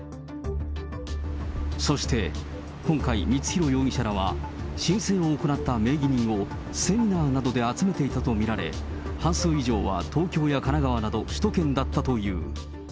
そして今回、光弘容疑者らは、申請を行った名義人をセミナーなどで集めていたと見られ、半数以上は東京や神奈川など、首都圏だったという。